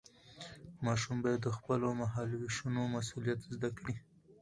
ماشوم باید د خپلو مهالوېشونو مسؤلیت زده کړي.